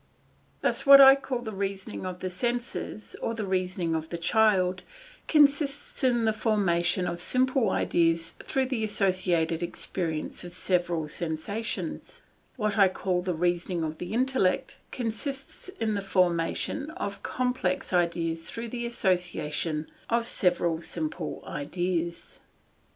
Thus what I call the reasoning of the senses, or the reasoning of the child, consists in the formation of simple ideas through the associated experience of several sensations; what I call the reasoning of the intellect, consists in the formation, of complex ideas through the association of several simple ideas.